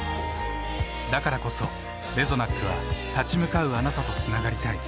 だからこそレゾナックは立ち向かうあなたとつながりたい。